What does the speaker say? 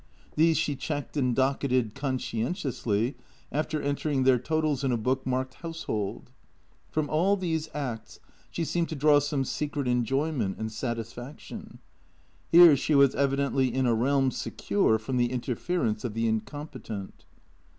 These she checked and dock eted conscientiously, after entering their totals in a book marked " Household.'' Prom all these acts she seemed to draw some secret enjoyment and satisfaction. Here she was evidently in a realm secure from the interference of the incompetent.